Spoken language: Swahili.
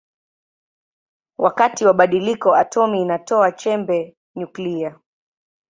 Wakati wa badiliko atomi inatoa chembe nyuklia.